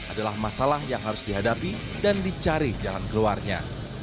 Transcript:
adalah masalah yang harus dihadapi dan dicari jalan keluarnya